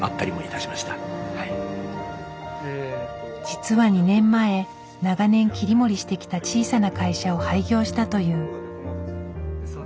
実は２年前長年切り盛りしてきた小さな会社を廃業したという。